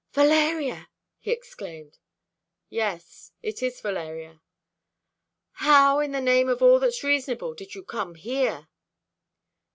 "Valeria!" he exclaimed. "Yes, it is Valeria." "How, in the name of all that's reasonable, did you come here?"